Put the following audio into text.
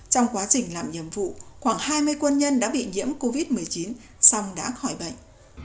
trong quá trình làm nhiệm vụ khoảng hai mươi quân nhân đã bị nhiễm covid một mươi chín xong đã khỏi bệnh